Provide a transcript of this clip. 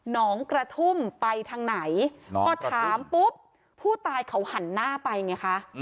น้องกระทุ่มไปทางไหนพอถามปุ๊บผู้ตายเขาหันหน้าไปไงคะ